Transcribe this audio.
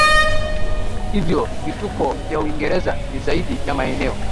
Hivyo vituko vya Uingereza si zaidi ya maeneo